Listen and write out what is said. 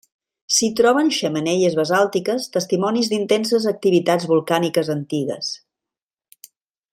S'hi troben xemeneies basàltiques, testimonis d'intenses activitats volcàniques antigues.